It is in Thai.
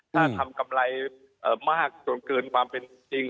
ถ้าทำกำไรมากจนเกินความเป็นจริง